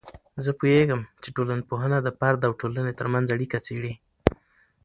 زه پوهیږم چې ټولنپوهنه د فرد او ټولنې ترمنځ اړیکه څیړي.